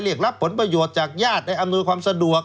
เรียกรับผลประโยชน์จากญาติได้อำนวยความสะดวก